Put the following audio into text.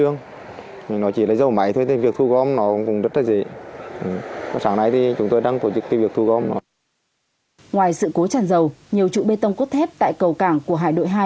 ngoài sự cố tràn dầu nhiều trụ bê tông cốt thép tại cầu cảng của hải đội hai